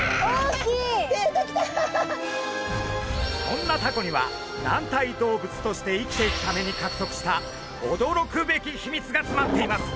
そんなタコには軟体動物として生きていくためにかくとくした驚くべき秘密がつまっています。